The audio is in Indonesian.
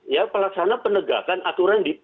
ya pelaksana penegakan aturan